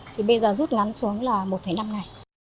thì bây giờ rút ngắn xuống là một năm ngày